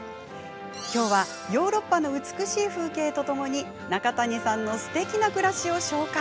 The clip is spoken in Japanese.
きょうはヨーロッパの美しい風景とともに中谷さんのすてきな暮らしを紹介。